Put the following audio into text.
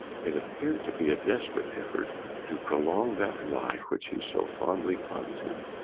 It appeared to be a desperate effort to prolong that life which he so fondly clung to.